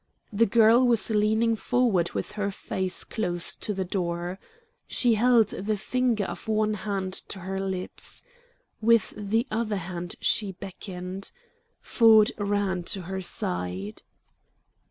The girl was leaning forward with her face close to the door. She held the finger of one hand to her lips. With the other hand she beckoned. Ford ran to her side.